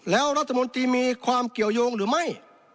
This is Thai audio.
แล้วรัฐมนตรีมีความเกี่ยวยงหรือไม่